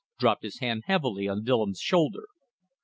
dropped his hand heavily on Willems' shoulder.